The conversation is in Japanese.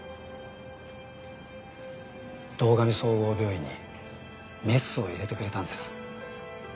堂上総合病院にメスを入れてくれたんです。